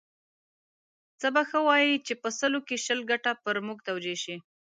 څه به ښه وای چې په سلو کې شل ګټه پر موږ توجیه شي.